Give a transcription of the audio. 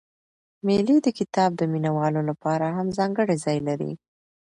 مېلې د کتاب د مینه والو له پاره هم ځانګړى ځای لري.